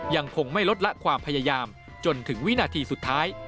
ยังคงไม่ลดละความพยายามจนถึงวินาทีสุดท้าย